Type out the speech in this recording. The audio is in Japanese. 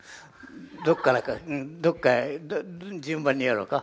どっからかうんどっか順番にやろうか？